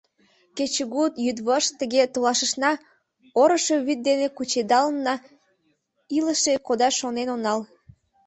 Кечыгут-йӱдвошт тыге толашышна, орышо вӱд дене кучедалынна, илыше кодаш шонен онал.